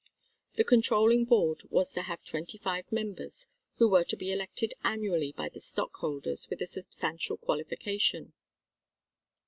The Controlling Board was to have twenty five members who were to be elected annually by the stockholders with a substantial qualification.